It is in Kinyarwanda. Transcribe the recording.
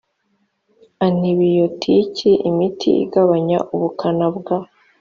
antibiyotiki imiti igabanya ubukana bwa